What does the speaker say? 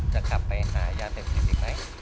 จะกลับไปหายาเสพติดอีกไหม